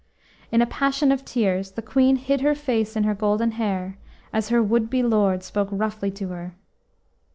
In a passion of tears, the Queen hid her face in her golden hair, as her would be lord spoke roughly to her.